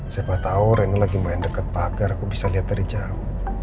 siapa tahu ren lagi main deket pagar bisa lihat dari jam